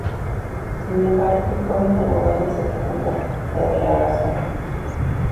Sin embargo, el joven abogado se da cuenta de la verdadera razón.